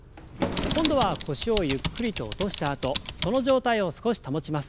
今度は腰をゆっくりと落としたあとその状態を少し保ちます。